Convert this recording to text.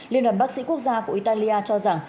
liên đoàn bác sĩ quốc gia của italia cho rằng